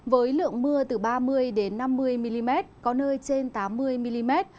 với lượng mưa từ ba mươi năm mươi mm có nơi trên tám mươi mm